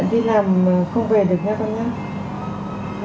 đi làm không về được nha con nha